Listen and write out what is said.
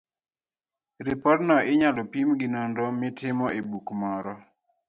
Ripodno inyalo pim gi nonro mitimo e buk moro